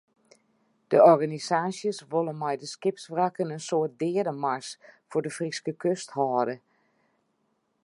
De organisaasjes wolle mei de skipswrakken in soart deademars foar de Fryske kust hâlde.